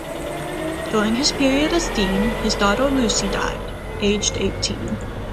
During his period as dean his daughter Lucy died, aged eighteen.